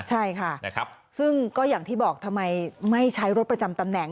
ใช่ค่ะซึ่งก็อย่างที่บอกทำไมไม่ใช้รถประจำตำแหน่ง